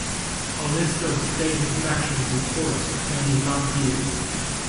A list of state infection reports can be found here.